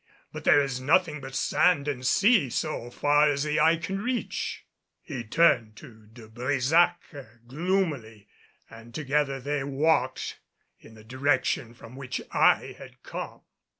But there is nothing but sand and sea so far as the eye can reach." He turned to De Brésac gloomily and together they walked in the direction from which I had come.